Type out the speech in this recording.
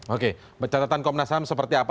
oke catatan komnas ham seperti apa